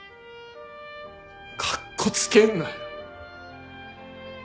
かっこつけんなよ。